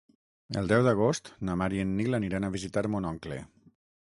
El deu d'agost na Mar i en Nil aniran a visitar mon oncle.